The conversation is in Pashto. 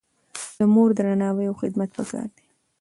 د مور درناوی او خدمت پکار دی.